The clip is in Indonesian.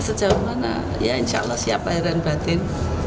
sejauh mana ya insya allah siapa iran batin